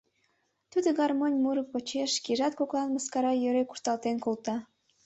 Тудо гармонь муро почеш шкежат коклан мыскара йӧре кушталтен колта.